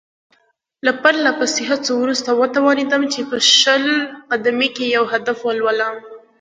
له پرله پسې هڅو وروسته وتوانېدم چې په شل قدمۍ کې یو هدف وولم.